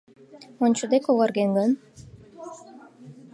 Ончыде когарген гын?